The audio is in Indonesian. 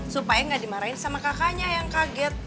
supaya nggak dimarahin sama kakaknya yang kaget